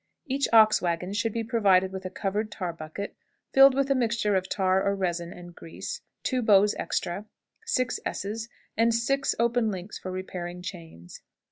Each ox wagon should be provided with a covered tar bucket, filled with a mixture of tar or resin and grease, two bows extra, six S's, and six open links for repairing chains.